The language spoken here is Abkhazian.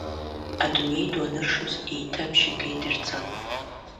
Адунеи ду аныршоз, еиҭа абжьы геит Ерцахә.